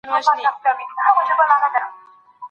د لومړۍ تجربې ګډونوال دوه کسان وو.